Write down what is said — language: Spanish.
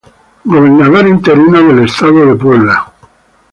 Gobernador Interino del Estado de Puebla.